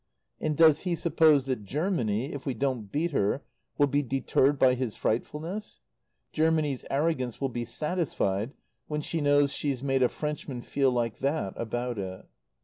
And does he suppose that Germany if we don't beat her will be deterred by his frightfulness? Germany's arrogance will be satisfied when she knows she's made a Frenchman feel like that about it.